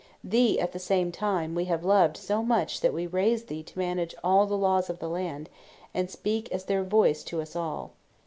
Thee, at the same time, we have loved so much that we raised thee to manage all the laws of the land, and speak as their voice to us all.